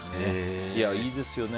いいですよね。